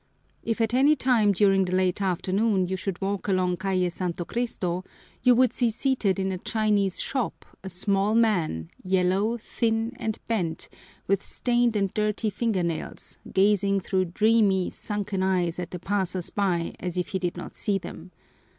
If at any time during the late afternoon you should walk along Calle Santo Cristo, you would see seated in a Chinese shop a small man, yellow, thin, and bent, with stained and dirty finger nails, gazing through dreamy, sunken eyes at the passers by as if he did not see them.